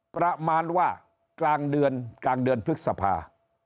ประมาณว่ากลางเดือนพฤษภา๖๒